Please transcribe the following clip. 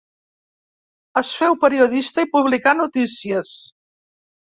Es féu periodista, i publicà notícies.